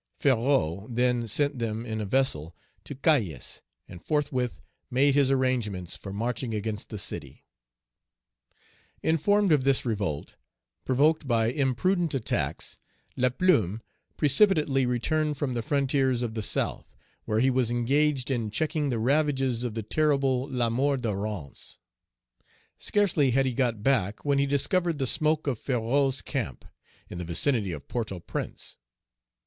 Ferrou then sent them in a vessel to Cayes, and forthwith made his arrangements for marching against the city. Informed of this revolt, provoked by imprudent attacks, Laplume precipitately returned from the frontiers of the South, where he was engaged in checking the ravages of the terrible Lamour de Rance. Scarcely had he got back when he discovered the smoke of Ferrou's camp, in the vicinity of Port au Prince.